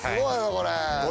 これ。